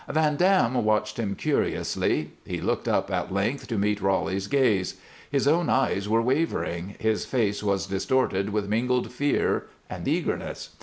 Van Dam watched him curiously. He looked up, at length, to meet Roly's gaze. His own eyes were wavering; his face was distorted with mingled fear and eagerness.